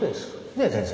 ねえ先生。